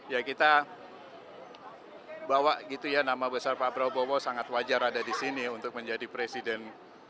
ya kita bawa gitu ya nama besar prabowo sangat wajar ada disini untuk menjadi presiden dua ribu dua puluh empat